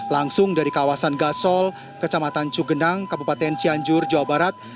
langsung dari kawasan gasol kecamatan cugenang kabupaten cianjur jawa barat